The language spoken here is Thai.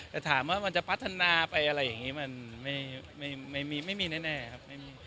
แต่ถามว่ามันจะพัฒนาไปอะไรอย่างนี้มันไม่มีแน่ครับ